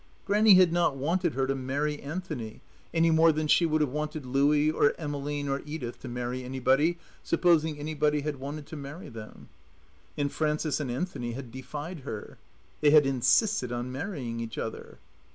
Grannie had not wanted her to marry Anthony, any more than she would have wanted Louie or Emmeline or Edith to marry anybody, supposing anybody had wanted to marry them. And Frances and Anthony had defied her. They had insisted on marrying each other.